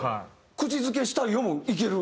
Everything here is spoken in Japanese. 「口付けしたいよ」もいける。